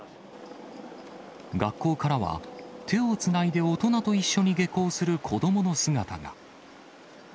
学校からは、手をつないで大人と一緒に下校する子どもの姿が。